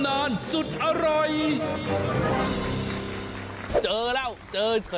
สวัสดีครับคุณพี่สวัสดีครับ